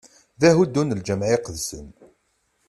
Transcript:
D ahuddu n Lǧameɛ iqedsen.